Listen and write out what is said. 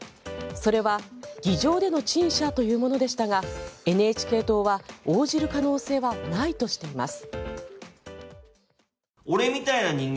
それは議場での陳謝というものでしたがＮＨＫ党は、応じる可能性はないとしています。